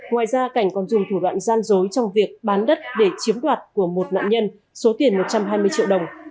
ngoài ra cảnh còn dùng thủ đoạn gian dối trong việc bán đất để chiếm đoạt của một nạn nhân số tiền một trăm hai mươi triệu đồng